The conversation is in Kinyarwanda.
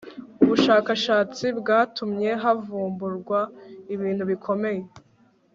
Ubushakashatsi bwatumye havumburwa ibintu bikomeye